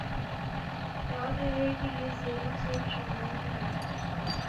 یاد رہے کہ یہ زیریں سرخ شعاعیں ہی ہیں